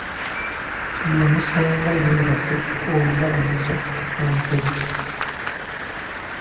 Yamusanga yeebase olugalaamirizo mu ntebe.